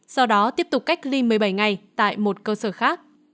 sau đó tiếp tục cách ly một mươi bảy ngày tại một cơ sở khác